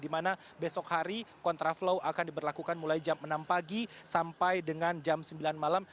dimana besok hari kontra flow akan diberlakukan mulai jam enam pagi sampai dengan jam sembilan malam